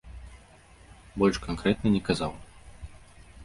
Больш канкрэтна не казаў.